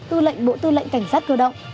tư lệnh bộ tư lệnh cảnh sát cơ động